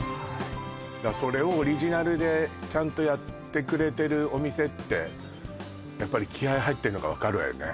それをオリジナルでちゃんとやってくれてるお店ってやっぱり気合入ってるのが分かるわよね